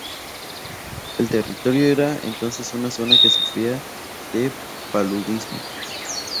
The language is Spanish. El territorio era entonces una zona que sufría de paludismo.